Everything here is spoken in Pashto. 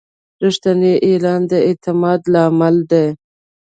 رښتینی اعلان د اعتماد لامل دی.